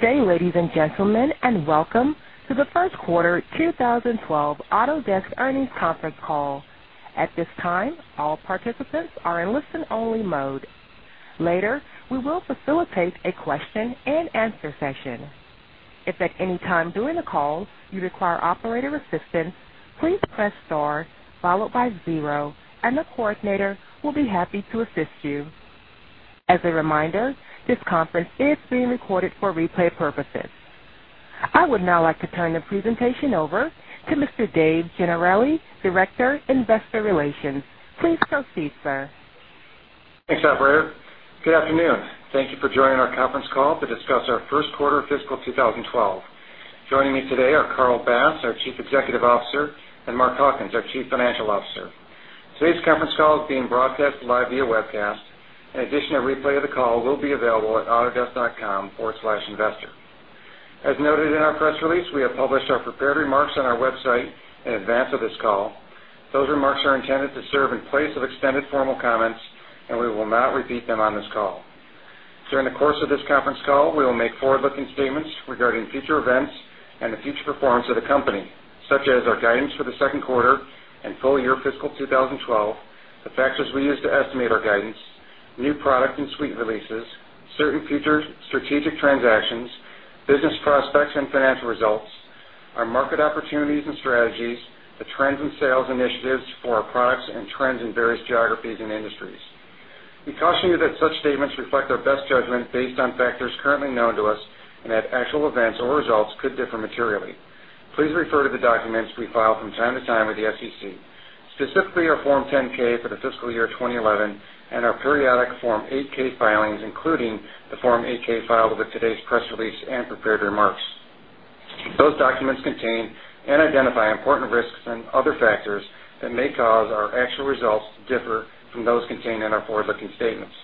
Good day, ladies and gentlemen, and welcome to the first quarter 2012 Autodesk Earnings Conference Call. At this time, all participants are in listen-only mode. Later, we will facilitate a question and answer session. If at any time during the call you require operator assistance, please press star followed by zero, and the coordinator will be happy to assist you. As a reminder, this conference is being recorded for replay purposes. I would now like to turn the presentation over to Mr. Dave Gennarelli, Director Investor Relations. Please proceed, sir. Thanks, operator. Good afternoon. Thank you for joining our conference call to discuss our First Quarter of fiscal 2012. Joining me today are Carl Bass, our Chief Executive Officer, and Mark Hawkins, our Chief Financial Officer. Today's conference call is being broadcast live via webcast. In addition, a replay of the call will be available at autodesk.com/investor. As noted in our press release, we have published our prepared remarks on our website in advance of this call. Those remarks are intended to serve in place of extended formal comments, and we will not repeat them on this call. During the course of this conference call, we will make forward-looking statements regarding future events and the future performance of the company, such as our guidance for the second quarter and full-year fiscal 2012, the factors we use to estimate our guidance, new product and suite releases, certain future strategic transactions, business prospects, and financial results, our market opportunities and strategies, the trends in sales initiatives for our products, and trends in various geographies and industries. We caution you that such statements reflect our best judgment based on factors currently known to us and that actual events or results could differ materially. Please refer to the documents we file from time to time with the SEC, specifically our Form 10-K for the fiscal year 2011 and our periodic Form 8-K filings, including the Form 8-K filed with today's press release and prepared remarks. Those documents contain and identify important risks and other factors that may cause our actual results to differ from those contained in our forward-looking statements.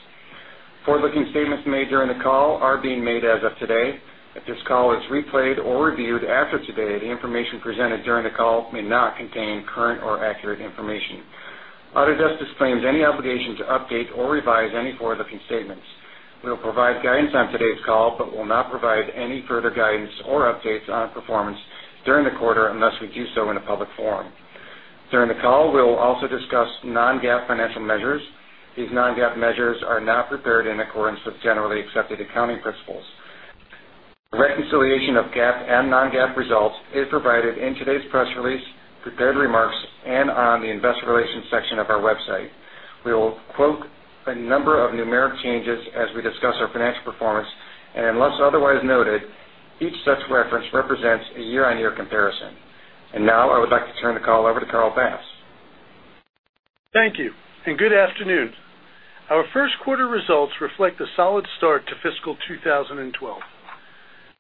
Forward-looking statements made during the call are being made as of today. If this call is replayed or reviewed after today, the information presented during the call may not contain current or accurate information. Autodesk disclaims any obligation to update or revise any forward-looking statements. We'll provide guidance on today's call, but we'll not provide any further guidance or updates on our performance during the quarter unless we do so in a public forum. During the call, we'll also discuss non-GAAP financial measures. These non-GAAP measures are not prepared in accordance with generally accepted accounting principles. Reconciliation of GAAP and non-GAAP results is provided in today's press release, prepared remarks, and on the Investor Relations section of our website. We will quote a number of numeric changes as we discuss our financial performance, and unless otherwise noted, each such reference represents a year-on-year comparison. Now, I would like to turn the call over to Carl Bass. Thank you, and good afternoon. Our First Quarter results reflect a solid start to fiscal 2012.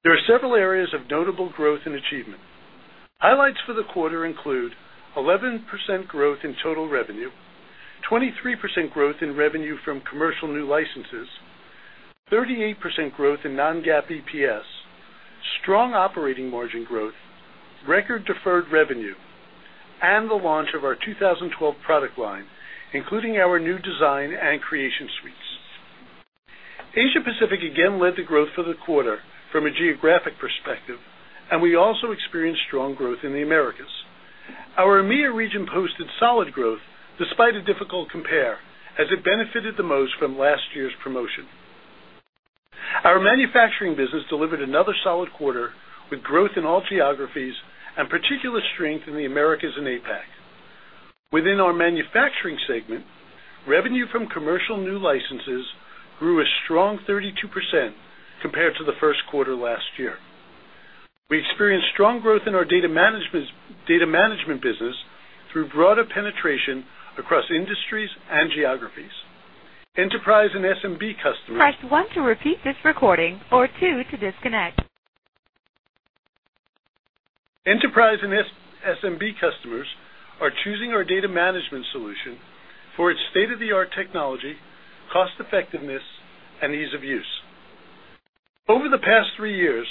There are several areas of notable growth and achievement. Highlights for the quarter include 11% growth in total revenue, 23% growth in revenue from commercial new licenses, 38% growth in non-GAAP EPS, strong operating margin growth, record deferred revenue, and the launch of our 2012 product line, including our new design and creation suites. Asia-Pacific again led the growth for the quarter from a geographic perspective, and we also experienced strong growth in the Americas. Our EMEA region posted solid growth despite a difficult compare, as it benefited the most from last year's promotion. Our manufacturing business delivered another solid quarter with growth in all geographies and particular strength in the Americas and Asia-Pacific. Within our manufacturing segment, revenue from commercial new licenses grew a strong 32% compared to the first quarter last year. We experienced strong growth in our data management business through broader penetration across industries and geographies. Enterprise and SMB customers. Press 1 to repeat this recording or 2 to disconnect. Enterprise and SMB customers are choosing our data management solution for its state-of-the-art technology, cost-effectiveness, and ease of use. Over the past three years,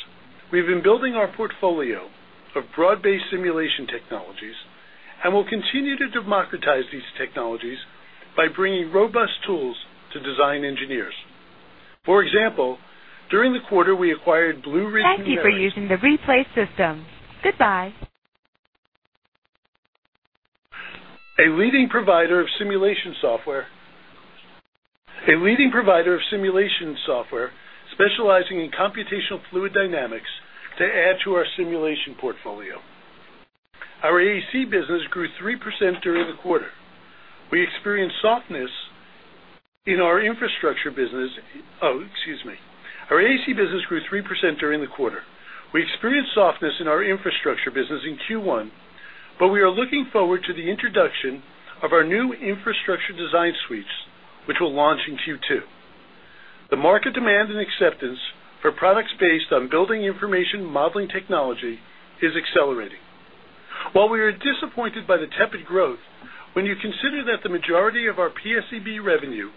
we've been building our portfolio of broad-based simulation technologies and will continue to democratize these technologies by bringing robust tools to design engineers. For example, during the quarter, we acquired Blue Ridge Numerics. Thank you for using the replay system. Goodbye. A leading provider of simulation software specializing in Computational Fluid Dynamics to add to our simulation portfolio. Our AEC business grew 3% during the quarter. We experienced softness in our Infrastructure business in Q1, but we are looking forward to the introduction of our new Infrastructure Design Suites, which will launch in Q2. The market demand and acceptance for products based on Building Information Modeling technology is accelerating. While we are disappointed by the tepid growth, when you consider that the majority of our PSEB revenue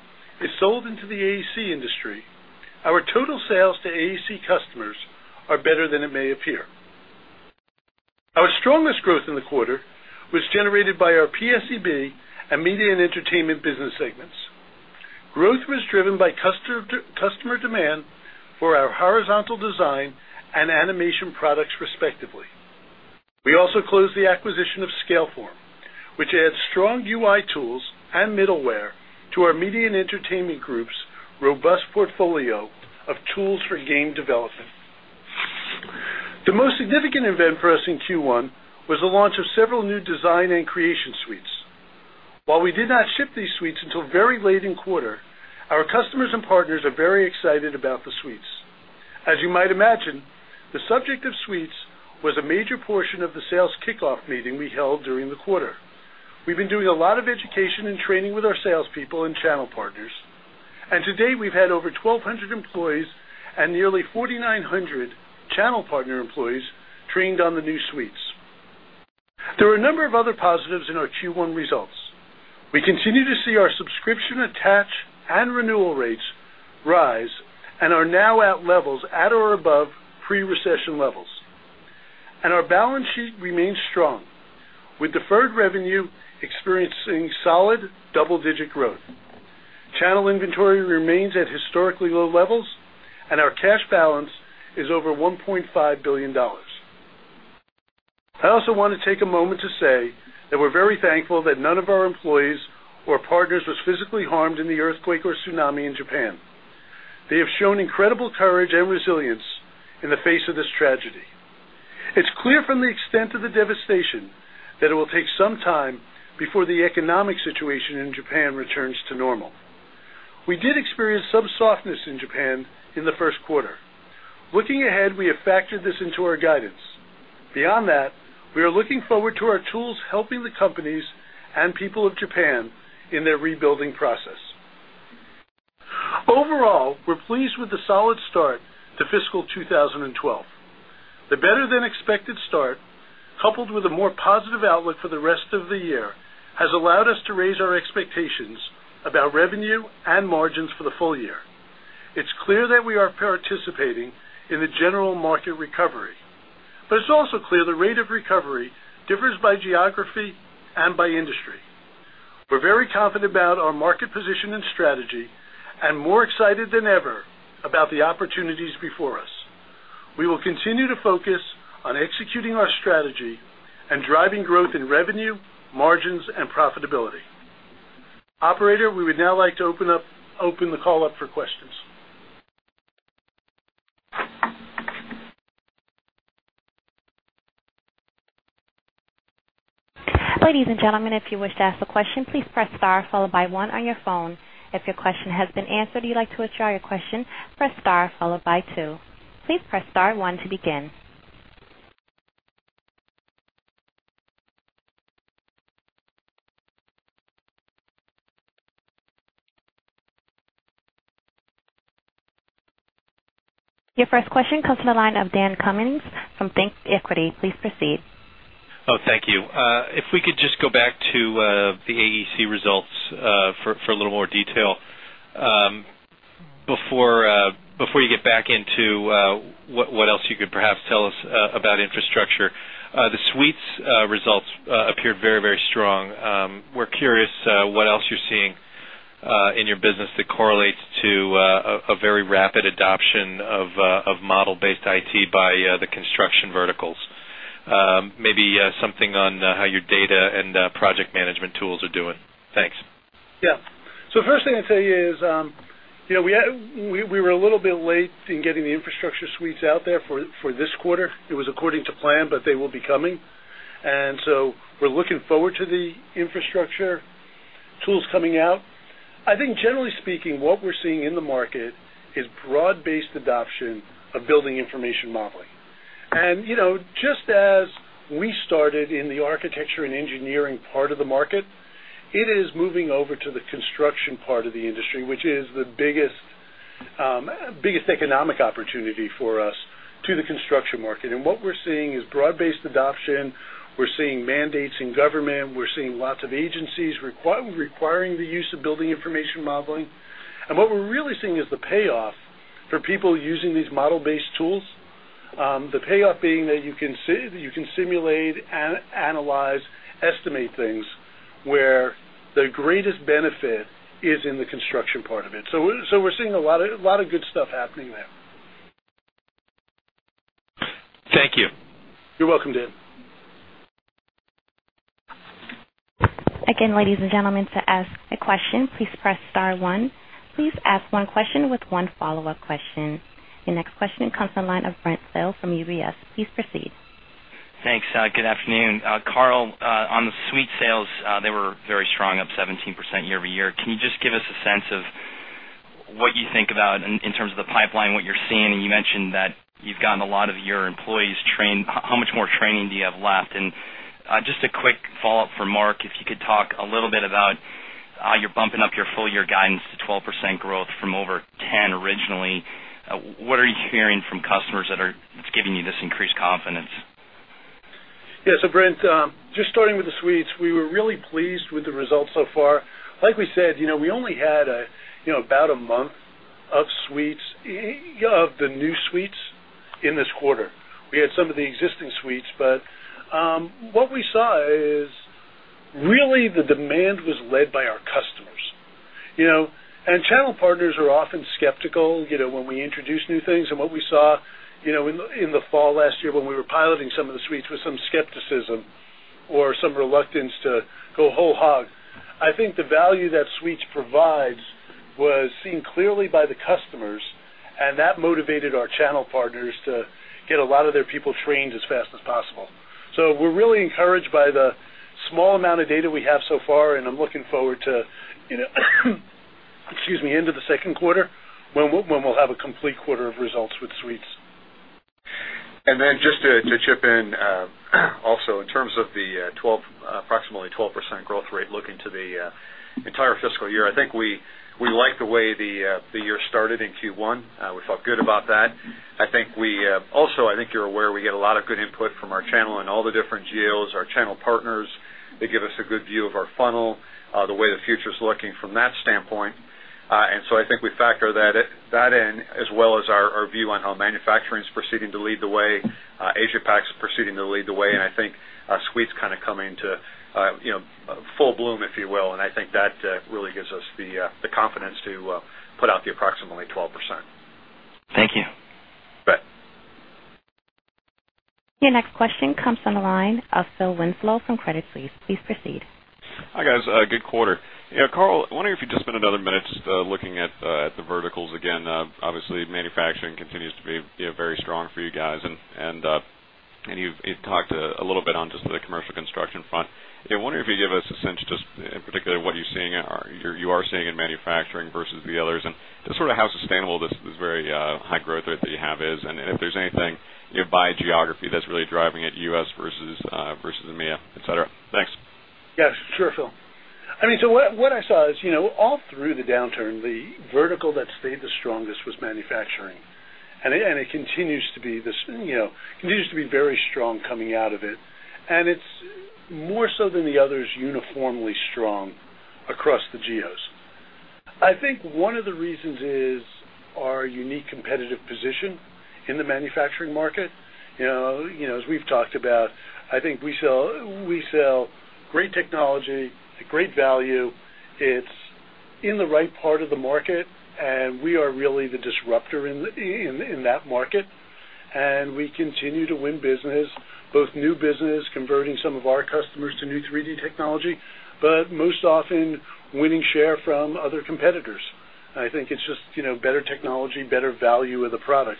is sold into the AEC industry, our total sales to AEC customers are better than it may appear. Our strongest growth in the quarter was generated by our PSEB and Media & Entertainment business segments. Growth was driven by customer demand for our horizontal design and animation products, respectively. We also closed the acquisition of Scaleform, which adds strong UI tools and middleware to our Media & Entertainment group's robust portfolio of tools for game development. The most significant event for us in Q1 was the launch of several new design and creation suites. While we did not ship these suites until very late in the quarter, our customers and partners are very excited about the suites. As you might imagine, the subject of suites was a major portion of the sales kickoff meeting we held during the quarter. We've been doing a lot of education and training with our salespeople and channel partners, and to date, we've had over 1,200 employees and nearly 4,900 channel partner employees trained on the new suites. There are a number of other positives in our Q1 results. We continue to see our subscription attach and renewal rates rise and are now at levels at or above pre-recession levels. Our balance sheet remains strong, with deferred revenue experiencing solid double-digit growth. Channel inventory remains at historically low levels, and our cash balance is over $1.5 billion. I also want to take a moment to say that we're very thankful that none of our employees or partners was physically harmed in the earthquake or tsunami in Japan. They have shown incredible courage and resilience in the face of this tragedy. It's clear from the extent of the devastation that it will take some time before the economic situation in Japan returns to normal. We did experience some softness in Japan in the first quarter. Looking ahead, we have factored this into our guidance. Beyond that, we are looking forward to our tools helping the companies and people of Japan in their rebuilding process. Overall, we're pleased with the solid start to fiscal 2012. The better-than-expected start, coupled with a more positive outlook for the rest of the year, has allowed us to raise our expectations about revenue and margins for the full year. It is clear that we are participating in the general market recovery, but it is also clear the rate of recovery differs by geography and by industry. We're very confident about our market position and strategy and more excited than ever about the opportunities before us. We will continue to focus on executing our strategy and driving growth in revenue, margins, and profitability. Operator, we would now like to open the call up for questions. Ladies and gentlemen, if you wish to ask a question, please press star followed by one on your phone. If your question has been answered and you'd like to withdraw your question, press star followed by two. Please press star one to begin. Your first question comes from the line of Dan Cummins from ThinkEquity. Please proceed. Thank you. If we could just go back to the AEC results for a little more detail before you get back into what else you could perhaps tell us about Infrastructure. The suites results appeared very, very strong. We're curious what else you're seeing in your business that correlates to a very rapid adoption of model-based IT by the construction verticals. Maybe something on how your data and project management tools are doing. Thanks. The first thing I'd say is, you know, we were a little bit late in getting the Infrastructure Suites out there for this quarter. It was according to plan, but they will be coming. We're looking forward to the Infrastructure tools coming out. I think, generally speaking, what we're seeing in the market is broad-based adoption of Building Information Modeling. You know, just as we started in the Architecture and Engineering part of the market, it is moving over to the construction part of the industry, which is the biggest economic opportunity for us, to the construction market. What we're seeing is broad-based adoption. We're seeing mandates in government. We're seeing lots of agencies requiring the use of Building Information Modeling. What we're really seeing is the payoff for people using these model-based tools, the payoff being that you can simulate and analyze, estimate things where the greatest benefit is in the construction part of it. We're seeing a lot of good stuff happening there. Thank you. You're welcome, Dan. Again, ladies and gentlemen, to ask a question, please press star one. Please ask one question with one follow-up question. Your next question comes from the line of Brent Thill from UBS. Please proceed. Thanks. Good afternoon. Carl, on the suite sales, they were very strong, up 17% year-over-year. Can you just give us a sense of what you think about in terms of the pipeline, what you're seeing? You mentioned that you've gotten a lot of your employees trained. How much more training do you have left? A quick follow-up for Mark, if you could talk a little bit about how you're bumping up your full-year guidance to 12% growth from over 10% originally. What are you hearing from customers that are giving you this increased confidence? Yeah. Brent, just starting with the suites, we were really pleased with the results so far. Like we said, we only had about a month of suites, of the new suites in this quarter. We had some of the existing suites, but what we saw is really the demand was led by our customers. Channel partners are often skeptical when we introduce new things. What we saw in the fall last year when we were piloting some of the suites was some skepticism or some reluctance to go whole hog. I think the value that suites provide was seen clearly by the customers, and that motivated our channel partners to get a lot of their people trained as fast as possible. We're really encouraged by the small amount of data we have so far, and I'm looking forward to, excuse me, into the second quarter when we'll have a complete quarter of results with suites. To chip in, also, in terms of the approximately 12% growth rate looking to the entire fiscal year, I think we liked the way the year started in Q1. We felt good about that. I think you're aware, we get a lot of good input from our channel and all the different geos. Our channel partners give us a good view of our funnel, the way the future is looking from that standpoint. I think we factor that in, as well as our view on how manufacturing is proceeding to lead the way, Asia-Pacific is proceeding to lead the way, and I think suites kind of come into, you know, full bloom, if you will. I think that really gives us the confidence to put out the approximately 12%. Thank you. Bye. Your next question comes from the line of Phil Winslow from Credit Suisse. Please proceed. Hi, guys. Good quarter. Carl, I wonder if you'd just spend another minute looking at the verticals again. Obviously, manufacturing continues to be very strong for you guys, and you've talked a little bit on just the commercial construction front. I wonder if you'd give us a sense just in particular what you're seeing or you are seeing in manufacturing versus the others and just sort of how sustainable this very high growth rate that you have is, and if there's anything by geography that's really driving it, U.S. vs EMEA, etc. Thanks. Yeah, sure, Phil. I mean, what I saw is, you know, all through the downturn, the vertical that stayed the strongest was manufacturing, and it continues to be this, you know, continues to be very strong coming out of it. It's more so than the others uniformly strong across the geos. I think one of the reasons is our unique competitive position in the manufacturing market. You know, as we've talked about, I think we sell great technology at great value. It's in the right part of the market, and we are really the disruptor in that market. We continue to win business, both new business, converting some of our customers to new 3D technology, but most often winning share from other competitors. I think it's just, you know, better technology, better value of the product.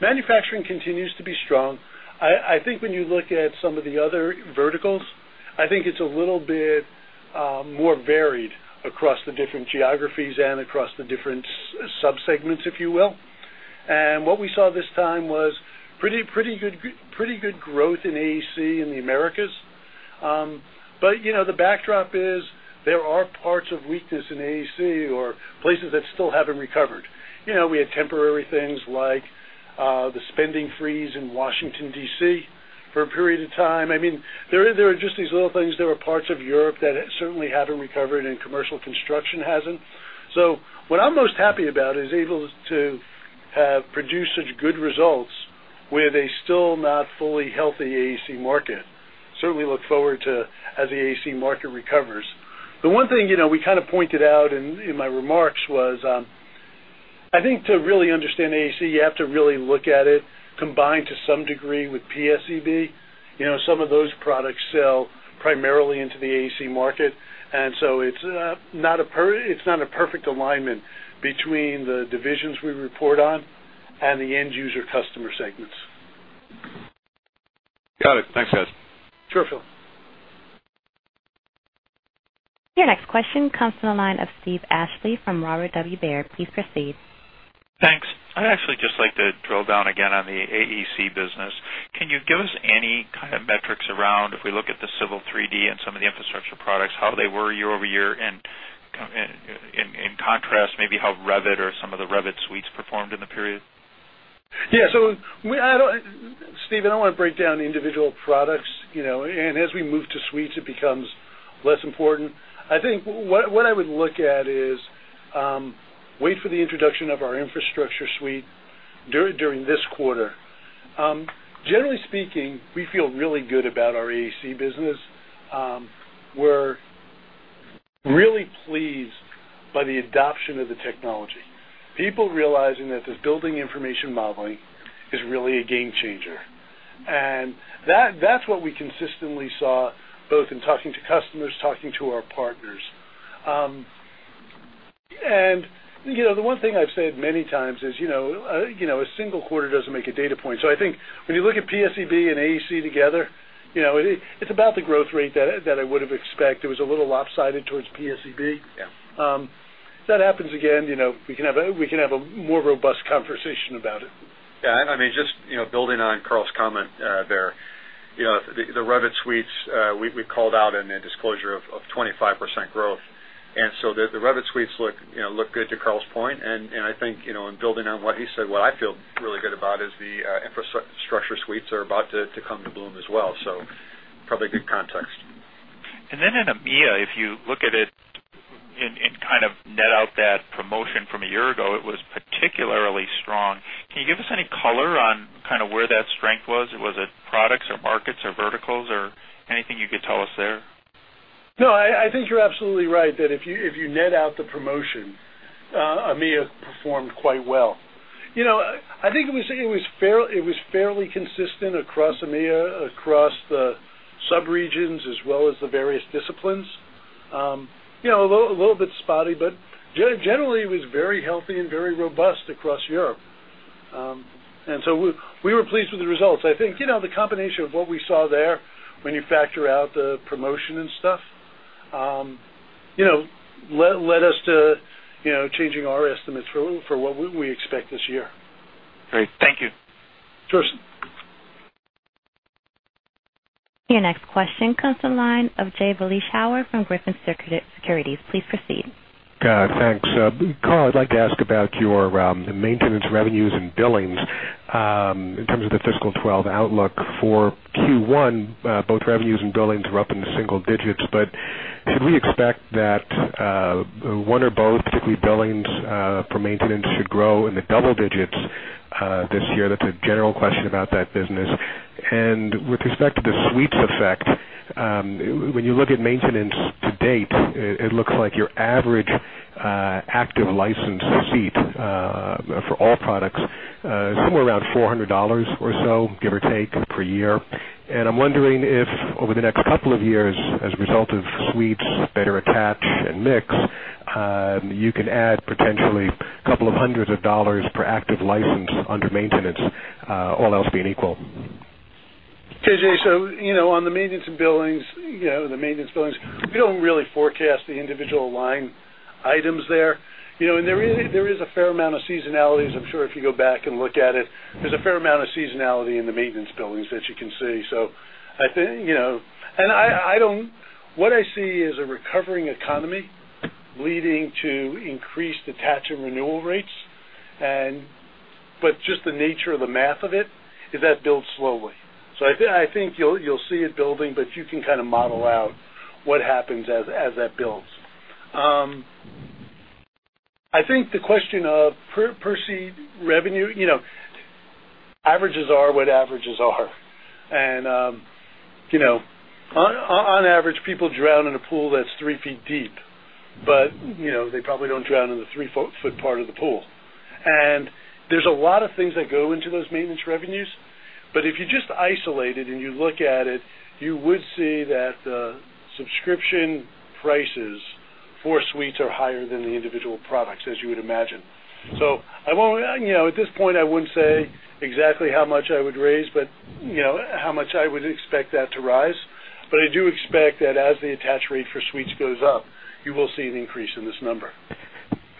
Manufacturing continues to be strong. I think when you look at some of the other verticals, I think it's a little bit more varied across the different geographies and across the different sub-segments, if you will. What we saw this time was pretty good growth in AEC in the Americas. The backdrop is there are parts of weakness in AEC or places that still haven't recovered. We had temporary things like the spending freeze in Washington, DC, for a period of time. I mean, there are just these little things. There are parts of Europe that certainly haven't recovered and commercial construction hasn't. What I'm most happy about is able to produce such good results with a still not fully healthy AEC market. Certainly look forward to as the AEC market recovers. The one thing, you know, we kind of pointed out in my remarks was, I think to really understand AEC, you have to really look at it combined to some degree with PSEB. Some of those products sell primarily into the AEC market. It's not a perfect alignment between the divisions we report on and the end-user customer segments. Got it. Thanks, guys. Sure, Phil. Your next question comes from the line of Steve Ashley from Baird. Please proceed. Thanks. I'd actually just like to drill down again on the AEC business. Can you give us any kind of metrics around if we look at the Civil 3D and some of the Infrastructure products, how they were year-over-year, and in contrast, maybe how Revit or some of the Revit Suites performed in the period? Yeah. I don't want to break down individual products. You know, as we move to suites, it becomes less important. I think what I would look at is, wait for the introduction of our Infrastructure Suite during this quarter. Generally speaking, we feel really good about our AEC business. We're really pleased by the adoption of the technology. People realizing that this Building Information Modeling is really a game changer. That's what we consistently saw both in talking to customers, talking to our partners. The one thing I've said many times is, a single quarter doesn't make a data point. I think when you look at PSEB and AEC together, it's about the growth rate that I would have expected. It was a little lopsided towards PSEB. If that happens again, we can have a more robust conversation about it. Yeah, just building on Carl's comment there, the Revit Suites, we've called out in a disclosure of 25% growth. The Revit Suites look good to Carl's point. I think, in building on what he said, what I feel really good about is the Infrastructure Suites are about to come to bloom as well. Probably a good context. In EMEA, if you look at it and kind of net out that promotion from a year ago, it was particularly strong. Can you give us any color on kind of where that strength was? Was it products or markets or verticals or anything you could tell us there? No, I think you're absolutely right that if you net out the promotion, EMEA performed quite well. I think it was fairly consistent across EMEA, across the subregions, as well as the various disciplines. A little bit spotty, but generally, it was very healthy and very robust across Europe. We were pleased with the results. I think the combination of what we saw there when you factor out the promotion led us to changing our estimates for what we expect this year. Okay, thank you. Sure. Your next question comes from the line of Jay Vleeschhouwer from Griffin Securities. Please proceed. Got it. Thanks. Carl, I'd like to ask about your maintenance revenues and billings. In terms of the fiscal 2012 outlook for Q1, both revenues and billings were up in the single digits. Should we expect that one or both, particularly billings for maintenance, should grow in the double-digits this year? That's a general question about that business. With respect to the suites effect, when you look at maintenance to date, it looks like your average active license receipt for all products is somewhere around $400 or so, give or take, per year. I'm wondering if over the next couple of years, as a result of suites better attached and mixed, you can add potentially a couple of hundreds of dollars per active license under maintenance, all else being equal. Jay, on the maintenance and billings, the maintenance billings, we don't really forecast the individual line items there. There is a fair amount of seasonality. If you go back and look at it, there's a fair amount of seasonality in the maintenance billings that you can see. I think what I see is a recovering economy leading to increased attach and renewal rates. Just the nature of the math of it is that builds slowly. I think you'll see it building, but you can kind of model out what happens as that builds. I think the question of perceived revenue, averages are what averages are. On average, people drown in a pool that's 3 ft deep, but they probably don't drown in the 3-ft part of the pool. There's a lot of things that go into those maintenance revenues. If you just isolate it and you look at it, you would see that the subscription prices for suites are higher than the individual products, as you would imagine. I won't, at this point, say exactly how much I would raise, but how much I would expect that to rise. I do expect that as the attach rate for suites goes up, you will see an increase in this number.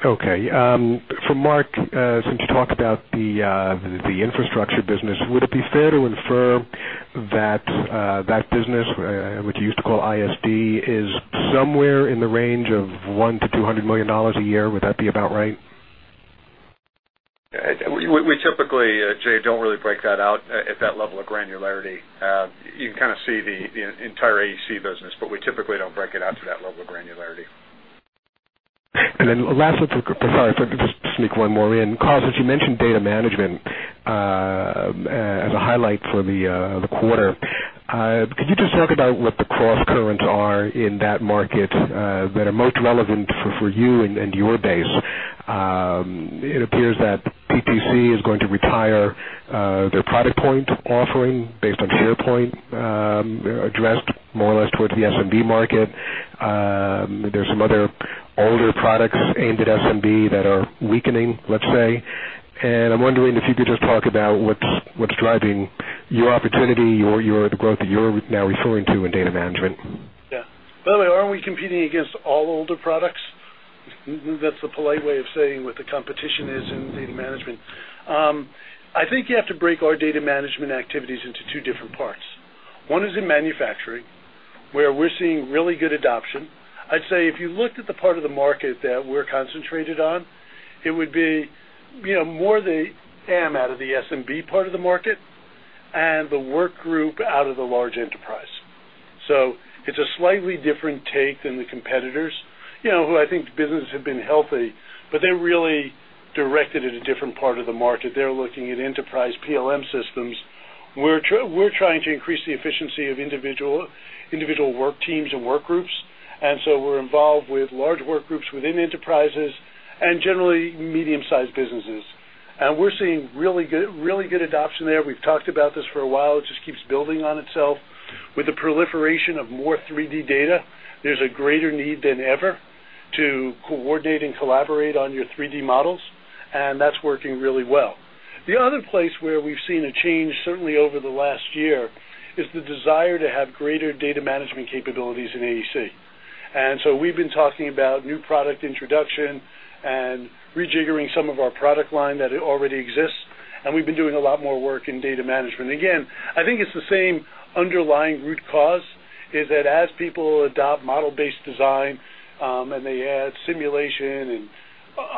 Okay. For Mark, since you talked about the Infrastructure business, would it be fair to infer that that business, which you used to call IAD, is somewhere in the range of $100 million-$200 million a year? Would that be about right? We typically, Jay, don't really break that out at that level of granularity. You can kind of see the entire AEC business, but we typically don't break it out to that level of granularity. Last, let's sneak one more in. Carl, as you mentioned, data management as a highlight for the quarter. Could you just talk about what the core concerns are in that market that are most relevant for you and your base? It appears that EPC is going to retire their product point offering based on your point addressed more or less towards the SMB market. There are some other older products aimed at SMB that are weakening, let's say. I'm wondering if you could just talk about what's driving your opportunity or the growth that you're now referring to in data management? Yeah. By the way, aren't we competing against all older products? That's a polite way of saying what the competition is in data management. I think you have to break our data management activities into two different parts. One is in manufacturing, where we're seeing really good adoption. I'd say if you looked at the part of the market that we're concentrated on, it would be, you know, more the AM out of the SMB part of the market and the work group out of the large enterprise. It's a slightly different take than the competitors, who I think business has been healthy, but they're really directed at a different part of the market. They're looking at enterprise PLM systems. We're trying to increase the efficiency of individual work teams and work groups. We're involved with large work groups within enterprises and generally medium-sized businesses, and we're seeing really good, really good adoption there. We've talked about this for a while. It just keeps building on itself. With the proliferation of more 3D data, there's a greater need than ever to coordinate and collaborate on your 3D models, and that's working really well. The other place where we've seen a change, certainly over the last year, is the desire to have greater data management capabilities in AEC. We've been talking about new product introduction and rejiggering some of our product line that already exists. We've been doing a lot more work in data management. Again, I think it's the same underlying root cause, that as people adopt model-based design and they add simulation and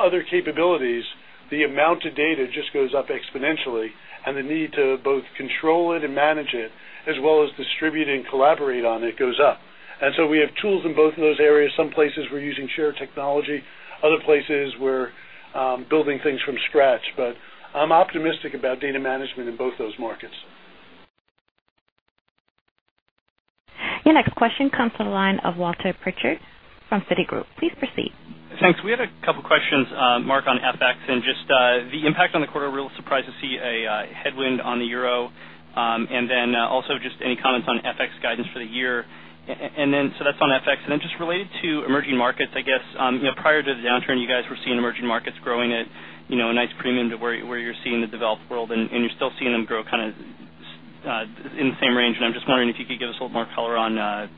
other capabilities, the amount of data just goes up exponentially, and the need to both control it and manage it, as well as distribute and collaborate on it, goes up. We have tools in both of those areas. Some places we're using shared technology, other places we're building things from scratch. I'm optimistic about data management in both those markets. Your next question comes from the line of Walter Pritchard from Citigroup. Please proceed. Thanks. We had a couple of questions, Mark, on FX. Just the impact on the quarter, it really surprised to see a headwind on the euro. Also, any comments on FX guidance for the year? That's on FX. Related to emerging markets, prior to the downturn, you guys were seeing emerging markets growing at a nice premium to where you're seeing the developed world, and you're still seeing them grow kind of in the same range. I'm just wondering if you could give us a little more color on that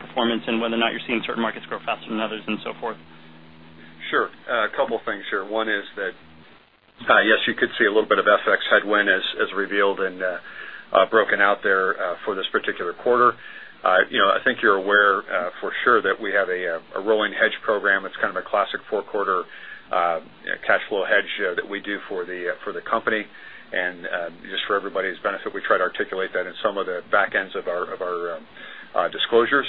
performance and whether or not you're seeing certain markets grow faster than others and so forth. Sure. A couple of things here. One is that, yes, you could see a little bit of FX headwind as revealed and broken out there for this particular quarter. I think you're aware for sure that we have a rolling hedge program. It's kind of a classic four-quarter cash flow hedge that we do for the company. Just for everybody's benefit, we try to articulate that in some of the back ends of our disclosures.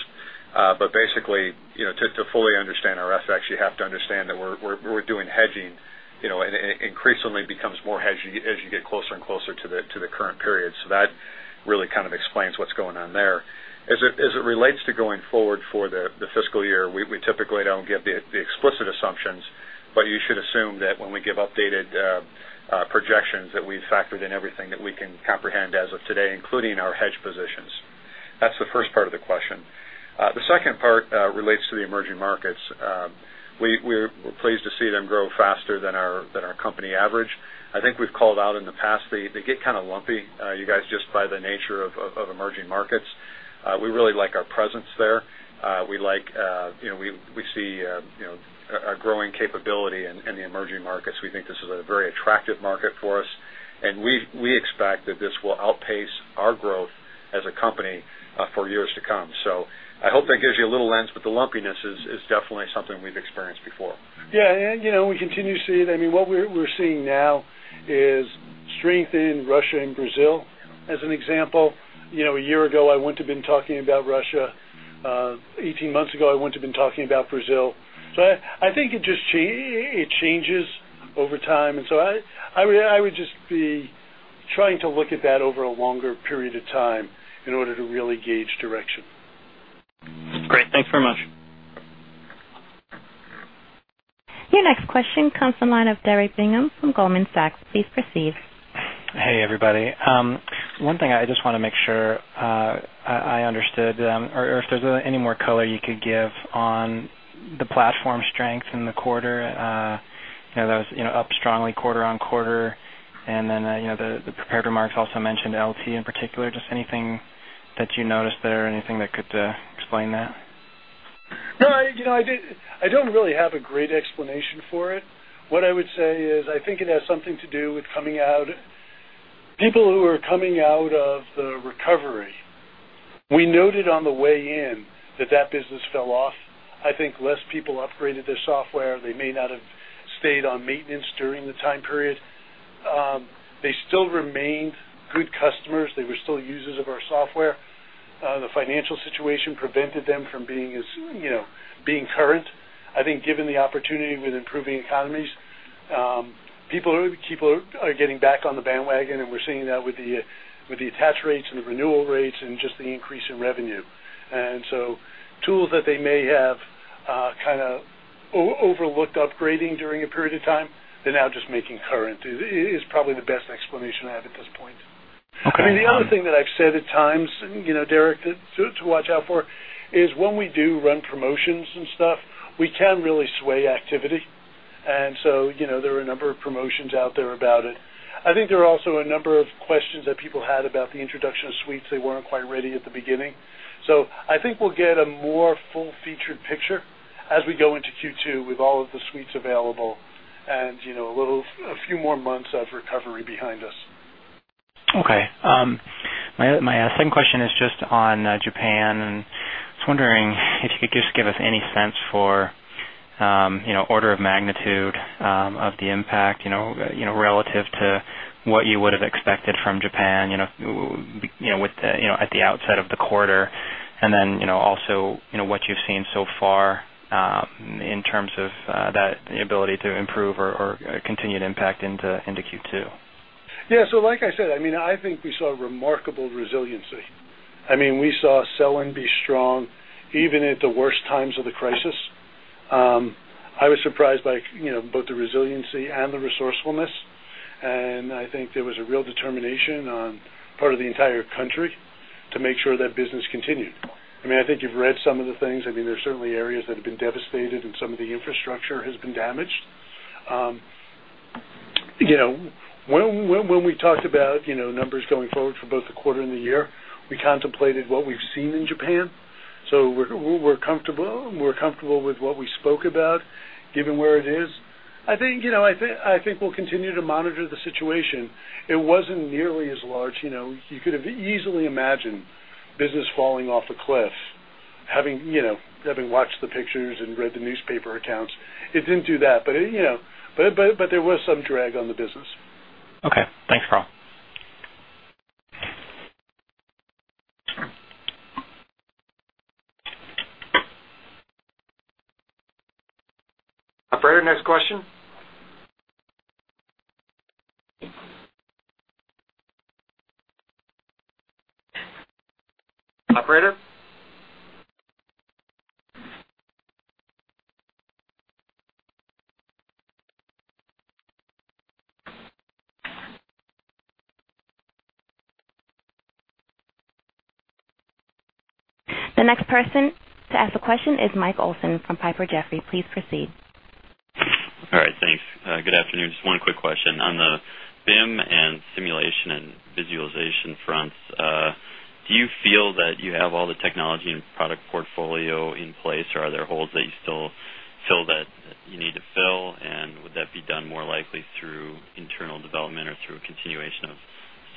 Basically, to fully understand our FX, you have to understand that we're doing hedging, and it increasingly becomes more hedging as you get closer and closer to the current period. That really kind of explains what's going on there. As it relates to going forward for the fiscal year, we typically don't give the explicit assumptions, but you should assume that when we give updated projections that we've factored in everything that we can comprehend as of today, including our hedge positions. That's the first part of the question. The second part relates to the emerging markets. We're pleased to see them grow faster than our company average. I think we've called out in the past. They get kind of lumpy, you guys, just by the nature of emerging markets. We really like our presence there. We like, we see, a growing capability in the emerging markets. We think this is a very attractive market for us. We expect that this will outpace our growth as a company for years to come. I hope that gives you a little lens, but the lumpiness is definitely something we've experienced before. Yeah. You know, we continue to see it. What we're seeing now is strength in Russia and Brazil as an example. A year ago, I wouldn't have been talking about Russia. 18 months ago, I wouldn't have been talking about Brazil. I think it just changes over time. I would just be trying to look at that over a longer period of time in order to really gauge direction. That's great. Thanks very much. Your next question comes from the line of Derek Bingham from Goldman Sachs. Please proceed. Hey, everybody. One thing I just want to make sure I understood or if there's any more color you could give on the platform strength in the quarter. That was up strongly quarter-on-quarter. The prepared remarks also mentioned LT in particular. Just anything that you noticed there or anything that could explain that? No, you know, I don't really have a great explanation for it. What I would say is I think it has something to do with coming out, people who are coming out of the recovery. We noted on the way in that that business fell off. I think less people upgraded their software. They may not have stayed on maintenance during the time period. They still remained good customers. They were still users of our software. The financial situation prevented them from being as, you know, being current. I think given the opportunity with improving economies, people are getting back on the bandwagon, and we're seeing that with the attach rates and the renewal rates and just the increase in revenue. Tools that they may have kind of overlooked upgrading during a period of time, they're now just making current is probably the best explanation I have at this point. Okay. The other thing that I've said at times, you know, Derek, to watch out for is when we do run promotions and stuff, we can really sway activity. There are a number of promotions out there about it. I think there are also a number of questions that people had about the introduction of suites. They weren't quite ready at the beginning. I think we'll get a more full-featured picture as we go into Q2 with all of the suites available and, you know, a few more months of recovery behind us. Okay. My second question is just on Japan. I was wondering if you could just give us any sense for, you know, order of magnitude of the impact, you know, relative to what you would have expected from Japan at the outset of the quarter, and then also what you've seen so far in terms of that ability to improve or continue to impact into Q2. Yeah. Like I said, I think we saw remarkable resiliency. We saw Japan be strong even at the worst times of the crisis. I was surprised by both the resiliency and the resourcefulness. I think there was a real determination on the part of the entire country to make sure that business continued. I think you've read some of the things. There are certainly areas that have been devastated, and some of the Infrastructure has been damaged. When we talked about numbers going forward for both the quarter and the year, we contemplated what we've seen in Japan. We're comfortable with what we spoke about, given where it is. I think we'll continue to monitor the situation. It wasn't nearly as large. You could have easily imagined business falling off a cliff, having watched the pictures and read the newspaper accounts. It didn't do that, but there was some drag on the business. Okay. Thanks, Carl. Operator, next question. Operator. The next person to ask a question is Mike Olson from Piper Jaffray. Please proceed. All right. Thanks. Good afternoon. Just one quick question. On the BIM and simulation and visualization fronts, do you feel that you have all the technology and product portfolio in place, or are there holes that you still feel that you need to fill? Would that be done more likely through internal development or through a continuation of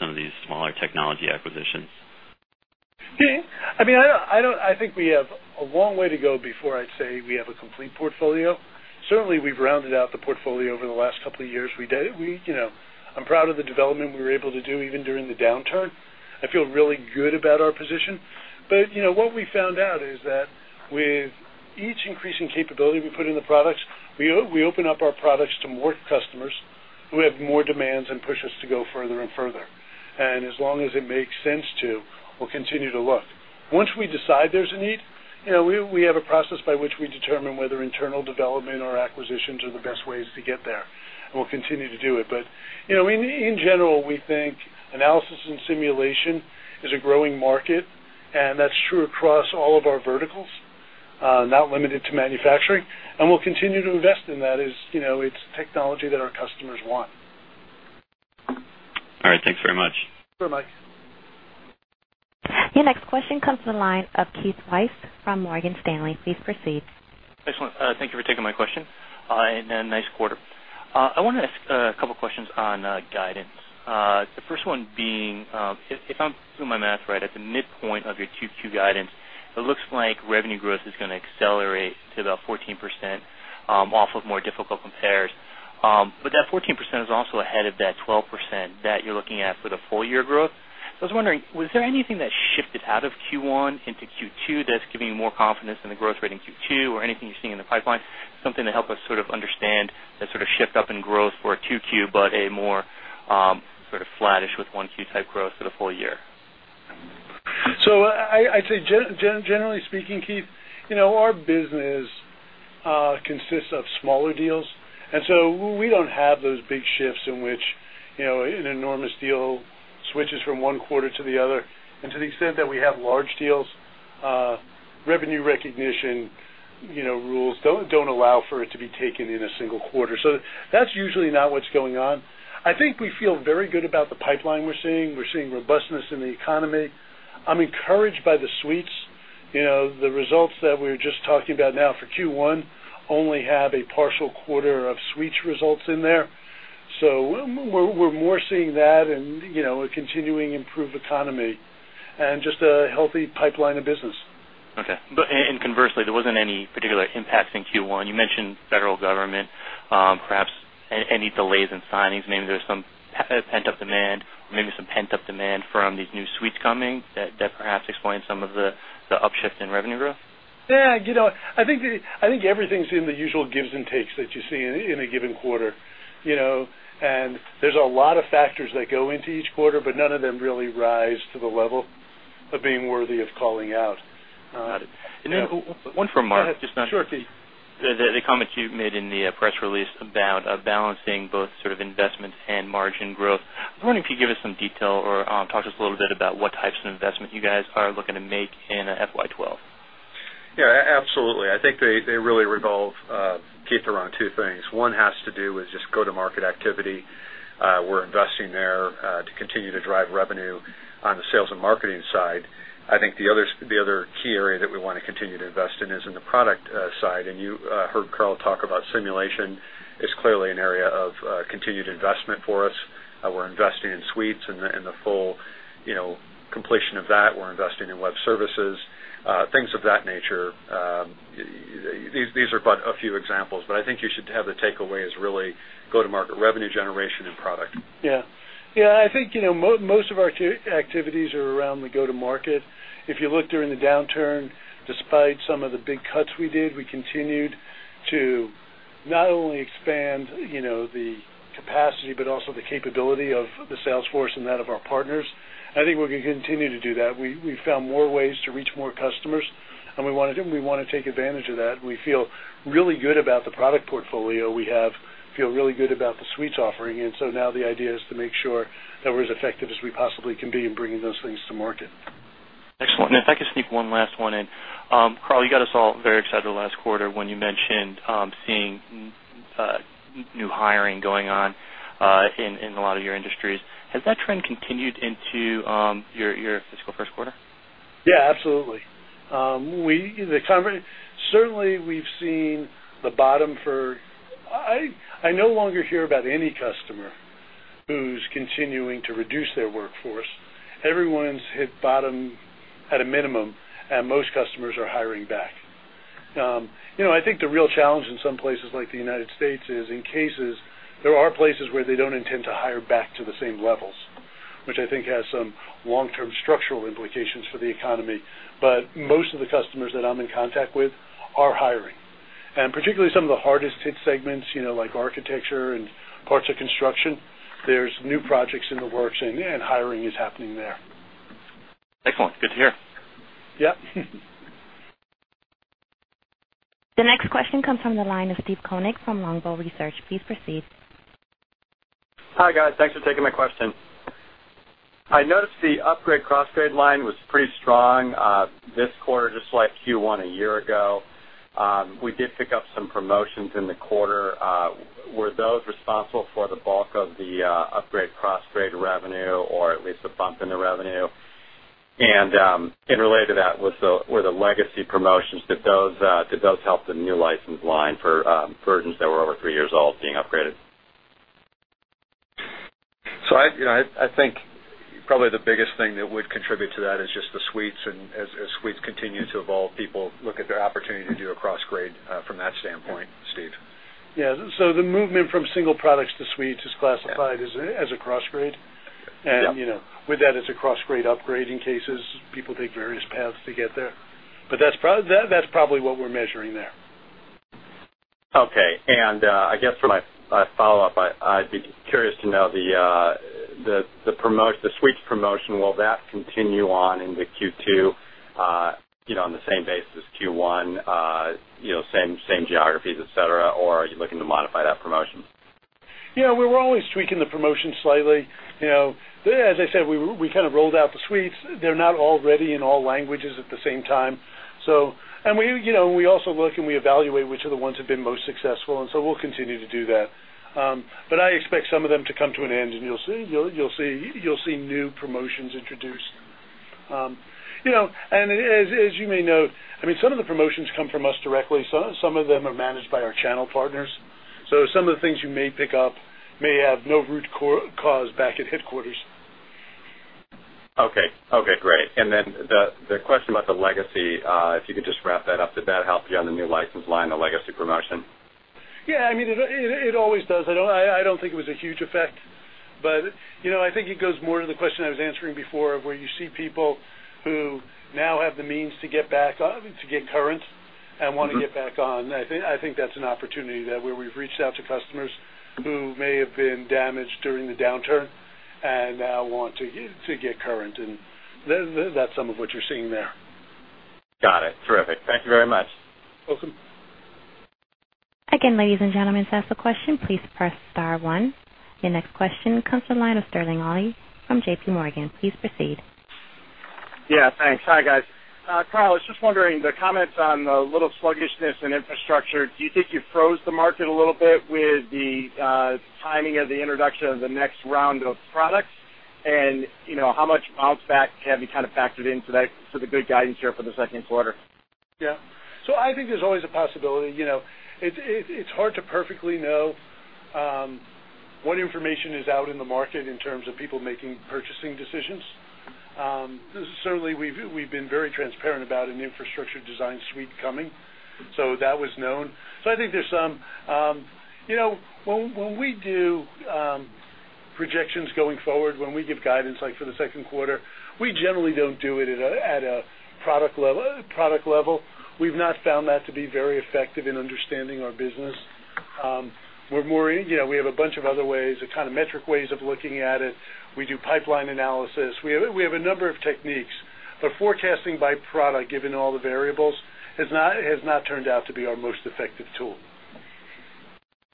some of these smaller technology acquisitions? I mean, I don't think we have a long way to go before I'd say we have a complete portfolio. Certainly, we've rounded out the portfolio over the last couple of years. I'm proud of the development we were able to do even during the downturn. I feel really good about our position. What we found out is that with each increasing capability we put in the products, we open up our products to more customers who have more demands and push us to go further and further. As long as it makes sense to, we'll continue to look. Once we decide there's a need, we have a process by which we determine whether internal development or acquisitions are the best ways to get there. We'll continue to do it. In general, we think analysis and simulation is a growing market, and that's true across all of our verticals, not limited to manufacturing. We'll continue to invest in that as it's technology that our customers want. All right, thanks very much. Sure, Mike. Your next question comes from the line of Keith Weiss from Morgan Stanley. Please proceed. Excellent. Thank you for taking my question. A nice quarter. I want to ask a couple of questions on guidance. The first one being, if I'm doing my math right, at the midpoint of your Q2 guidance, it looks like revenue growth is going to accelerate to about 14% off of more difficult compares. That 14% is also ahead of that 12% that you're looking at for the full-year growth. I was wondering, was there anything that shifted out of Q1 into Q2 that's giving you more confidence in the growth rate in Q2 or anything you're seeing in the pipeline? Something to help us sort of understand that sort of shift up in growth for a Q2 but a more sort of flattish with Q1 type growth for the full year? I'd say, generally speaking, Keith, our business consists of smaller deals. We don't have those big shifts in which an enormous deal switches from one quarter to the other. To the extent that we have large deals, revenue recognition rules don't allow for it to be taken in a single quarter. That's usually not what's going on. I think we feel very good about the pipeline we're seeing. We're seeing robustness in the economy. I'm encouraged by the suites. The results that we were just talking about now for Q1 only have a partial quarter of suites results in there. We're more seeing that and a continuing improved economy and just a healthy pipeline of business. Okay. Conversely, there wasn't any particular impacts in Q1. You mentioned federal government, perhaps any delays in signings. Maybe there's some pent-up demand, maybe some pent-up demand from these new suites coming that perhaps explains some of the upshift in revenue growth? Yeah, I think everything's in the usual gives and takes that you see in a given quarter. There's a lot of factors that go into each quarter, but none of them really rise to the level of being worthy of calling out. Got it. One for Mark. Go ahead. Just on the comments you made in the press release about balancing both sort of investment and margin growth, I was wondering if you could give us some detail or talk to us a little bit about what types of investment you guys are looking to make in FY 2012. Yeah, absolutely. I think they really revolve, Keith, around two things. One has to do with just go-to-market activity. We're investing there to continue to drive revenue on the sales and marketing side. I think the other key area that we want to continue to invest in is in the product side. You heard Carl talk about simulation is clearly an area of continued investment for us. We're investing in suites and the full completion of that. We're investing in web services, things of that nature. These are but a few examples. I think you should have the takeaway is really go-to-market revenue generation and product. Yeah, I think most of our activities are around the go-to-market. If you look during the downturn, despite some of the big cuts we did, we continued to not only expand the capacity but also the capability of the salesforce and that of our partners. I think we're going to continue to do that. We found more ways to reach more customers, and we want to take advantage of that. We feel really good about the product portfolio we have, feel really good about the suites offering. The idea is to make sure that we're as effective as we possibly can be in bringing those things to market. Excellent. Thank you, still.. One last one. Carl, you got us all very excited the last quarter when you mentioned seeing new hiring going on in a lot of your industries. Has that trend continued into your fiscal first quarter? Yeah, absolutely. Certainly, we've seen the bottom for I no longer hear about any customer who's continuing to reduce their workforce. Everyone's hit bottom at a minimum, and most customers are hiring back. I think the real challenge in some places like the United States is in cases there are places where they don't intend to hire back to the same levels, which I think has some long-term structural implications for the economy. Most of the customers that I'm in contact with are hiring. Particularly some of the hardest-hit segments, like Architecture and parts of construction, there's new projects in the works, and hiring is happening there. Excellent. Good to hear. Yeah. The next question comes from the line of Steve Koenig from Longbow Research. Please proceed. Hi, guys. Thanks for taking my question. I noticed the upgrade cross-grade line was pretty strong this quarter, just like Q1 a year ago. We did pick up some promotions in the quarter. Were those responsible for the bulk of the upgrade cross-trade revenue, or at least the bump in the revenue? Related to that, were the legacy promotions, did those help the new license line for versions that were over three years old being upgraded? I think probably the biggest thing that would contribute to that is just the suites. As suites continue to evolve, people look at their opportunity to do a cross-grade from that standpoint, Steve. Yeah. The movement from single products to suites is classified as a cross-grade. With that, it's a cross-grade upgrade in cases. People take various paths to get there. That's probably what we're measuring there. Okay. For my follow-up, I'd be curious to know the suites promotion. Will that continue on into Q2 on the same basis as Q1, same geographies, etc.? Are you looking to modify that promotion? Yeah. We're always tweaking the promotion slightly. As I said, we kind of rolled out the suites. They're not all ready in all languages at the same time, and we also look and evaluate which of the ones have been most successful. We'll continue to do that. I expect some of them to come to an end, and you'll see new promotions introduced. As you may note, some of the promotions come from us directly. Some of them are managed by our channel partners, so some of the things you may pick up may have no root cause back at headquarters. Okay. Great. The question about the legacy, if you could just wrap that up, did that help you on the new license line, the legacy promotion? Yeah, I mean, it always does. I don't think it was a huge effect. I think it goes more to the question I was answering before of where you see people who now have the means to get back to get current and want to get back on. I think that's an opportunity where we've reached out to customers who may have been damaged during the downturn and now want to get current. That's some of what you're seeing there. Got it. Terrific. Thank you very much. Awesome. Again, ladies and gentlemen, to ask a question, please press star one. Your next question comes from the line of Sterling Auty from JPMorgan. Please proceed. Yeah. Thanks. Hi, guys. Carl, I was just wondering, the comments on the little sluggishness in Infrastructure, do you think you froze the market a little bit with the timing of the introduction of the next round of products? You know, how much bounce-back can be kind of factored into that for the good guidance here for the second quarter? I think there's always a possibility. It's hard to perfectly know what information is out in the market in terms of people making purchasing decisions. Certainly, we've been very transparent about an Infrastructure Design Suite coming. That was known. I think when we do projections going forward, when we give guidance like for the second quarter, we generally don't do it at a product level. We've not found that to be very effective in understanding our business. We have a bunch of other ways, the kind of metric ways of looking at it. We do pipeline analysis. We have a number of techniques. Forecasting by product, given all the variables, has not turned out to be our most effective tool.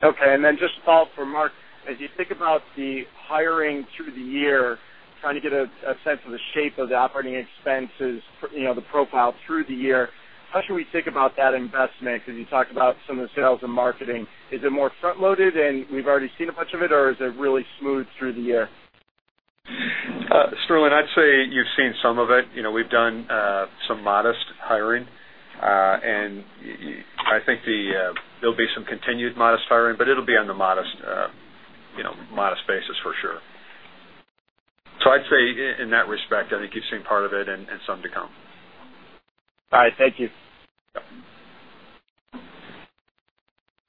Okay. Just to follow up for Mark, as you think about the hiring through the year, trying to get a sense of the shape of the operating expenses, you know, the profile through the year, how should we think about that investment? You talked about some of the sales and marketing. Is it more front-loaded and we've already seen a bunch of it, or is it really smooth through the year? Sterling, I'd say you've seen some of it. We've done some modest hiring, and I think there'll be some continued modest hiring, but it'll be on the modest basis for sure. I'd say in that respect, I think you've seen part of it and some to come. All right, thank you.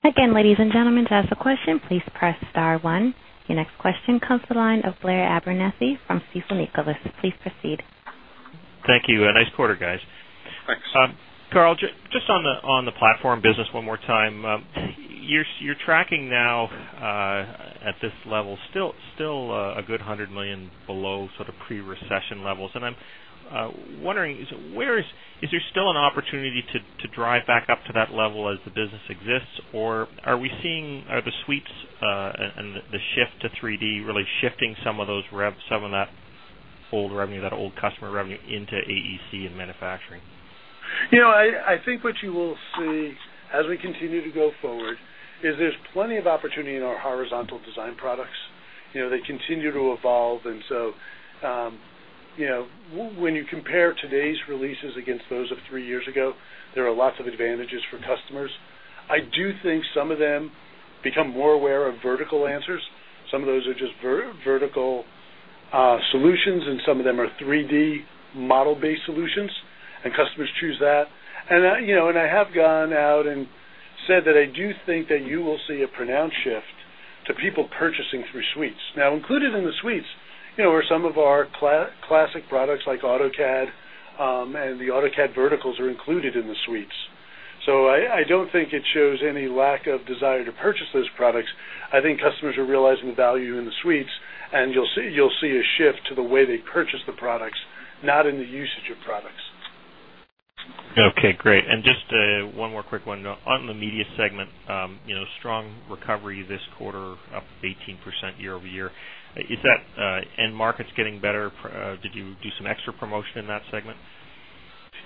Again, ladies and gentlemen, to ask a question, please press star one. Your next question comes from the line of Blair Abernethy from Stifel Nicolaus. Please proceed. Thank you. A nice quarter, guys. Thanks. Carl, just on the platform business one more time, you're tracking now at this level still a good $100 million below sort of pre-recession levels. I'm wondering, is there still an opportunity to drive back up to that level as the business exists? Are we seeing the suites and the shift to 3D really shifting some of that old revenue, that old customer revenue into AEC and manufacturing? I think what you will see as we continue to go forward is there's plenty of opportunity in our horizontal design products. They continue to evolve. When you compare today's releases against those of three years ago, there are lots of advantages for customers. I do think some of them become more aware of vertical answers. Some of those are just vertical solutions, and some of them are 3D model-based solutions, and customers choose that. I have gone out and said that I do think that you will see a pronounced shift to people purchasing through suites. Included in the suites are some of our classic products like AutoCAD, and the AutoCAD verticals are included in the suites. I don't think it shows any lack of desire to purchase those products. I think customers are realizing the value in the suites, and you'll see a shift to the way they purchase the products, not in the usage of products. Okay. Great. Just one more quick one. On the media segment, strong recovery this quarter, up 18% year-over-year. Is that, and markets getting better? Did you do some extra promotion in that segment?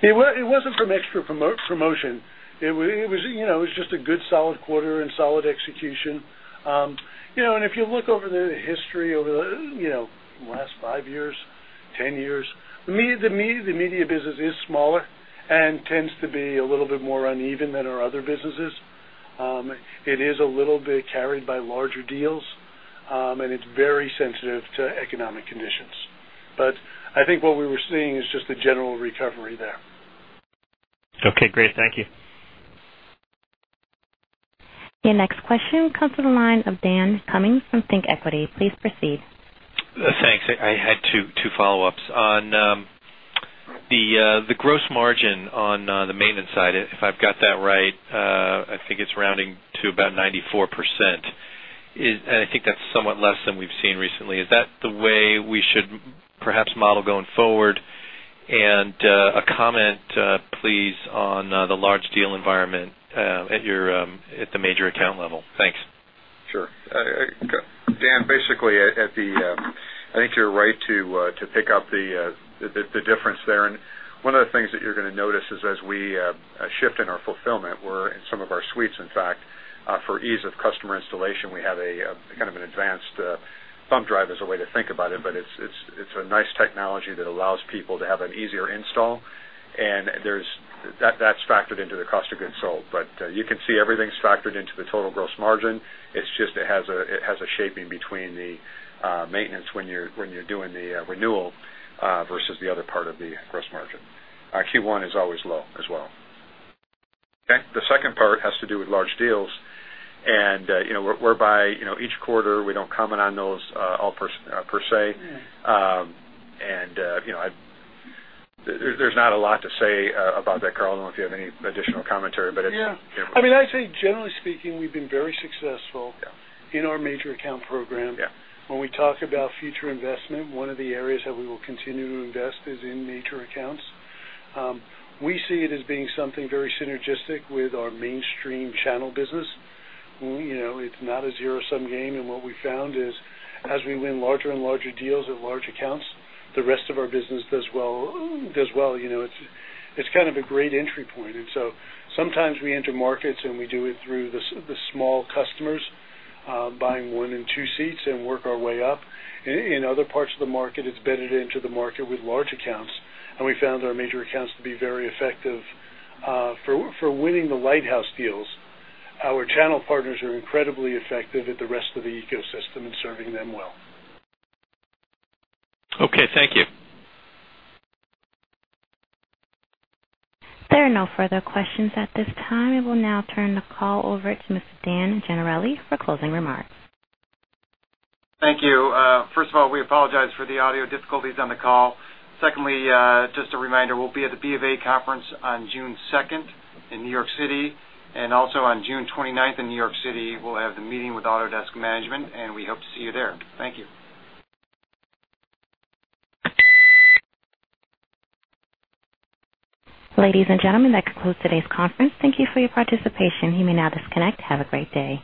It wasn't from extra promotion. It was just a good solid quarter and solid execution. If you look over the history over the last 5 years, 10 years, the media business is smaller and tends to be a little bit more uneven than our other businesses. It is a little bit carried by larger deals, and it's very sensitive to economic conditions. I think what we were seeing is just a general recovery there. Okay. Great. Thank you. Your next question comes from the line of Dan Cummins from ThinkEquity. Please proceed. Thanks. I had two follow-ups. On the gross margin on the maintenance side, if I've got that right, I think it's rounding to about 94%. I think that's somewhat less than we've seen recently. Is that the way we should perhaps model going forward? A comment, please, on the large deal environment at the major account level. Thanks. Sure. Dan, basically, I think you're right to pick up the difference there. One of the things that you're going to notice is as we shift in our fulfillment, we're in some of our suites, in fact, for ease of customer installation, we have kind of an advanced thumb drive as a way to think about it. It's a nice technology that allows people to have an easier install, and that's factored into the cost of goods sold. You can see everything's factored into the total gross margin. It just has a shaping between the maintenance when you're doing the renewal vs the other part of the gross margin. Q1 is always low as well. Okay. The second part has to do with large deals, whereby each quarter we don't comment on those all per se. There's not a lot to say about that, Carl. I don't know if you have any additional commentary, but it's. Yeah. I mean, I'd say, generally speaking, we've been very successful in our major account program. When we talk about future investment, one of the areas that we will continue to invest is in major accounts. We see it as being something very synergistic with our mainstream channel business. It's not a zero-sum game. What we found is as we win larger-and-larger deals at large accounts, the rest of our business does well. It's kind of a great entry point. Sometimes we enter markets and we do it through the small customers buying one and two seats and work our way up. In other parts of the market, it's better to enter the market with large accounts. We found our major accounts to be very effective for winning the lighthouse deals. Our channel partners are incredibly effective at the rest of the ecosystem and serving them well. Okay, thank you. There are no further questions at this time. We will now turn the call over to Mr. Dave Gennarelli for closing remarks. Thank you. First of all, we apologize for the audio difficulties on the call. Secondly, just a reminder, we'll be at the BIM conference on June 2 in New York City. Also, on June 29 in New York City, we'll have the meeting with Autodesk Management, and we hope to see you there. Thank you. Ladies and gentlemen, that concludes today's conference. Thank you for your participation. You may now disconnect. Have a great day.